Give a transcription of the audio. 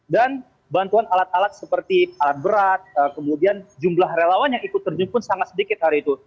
dan bantuan alat alat seperti alat berat kemudian jumlah relawan yang ikut terjun pun sangat sedikit hari itu